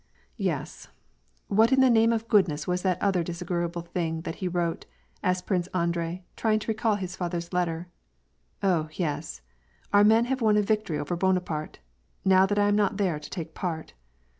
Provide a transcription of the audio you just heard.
• <^Yes, what in the name of goodness was that other dis agreeable thing that he wrote ?" asked Prince Andrei, trying to recall his father's letter. " Oh, yes. Our men have won a victory over Bonaparte, now that I am not there to take part.